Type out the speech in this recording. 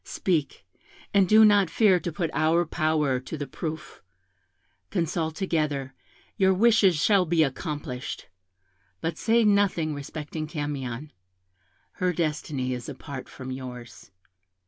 Speak, and do not fear to put our power to the proof; consult together, your wishes shall be accomplished; but say nothing respecting Camion her destiny is apart from yours.